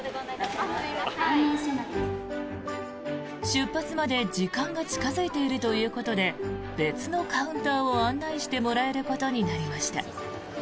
出発まで時間が近付いているということで別のカウンターを案内してもらえることになりました。